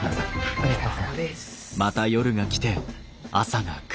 ありがとう。